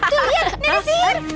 tuh liat nenek sihir